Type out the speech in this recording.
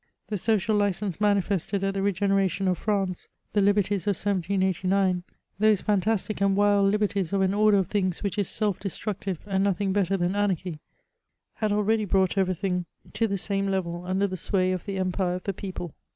The social license manifested at the regenera tion of France, the liberties of 1789 — those fatitastic and \^d liberties of an order of things which is self destructive and nothing better than anarchy — had already brought everything. VOL. I. 2 b 316 MEMOIRS OF to the same level under the sway of the empire of the people.